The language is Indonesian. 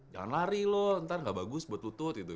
jangan lari loh ntar gak bagus buat lutut gitu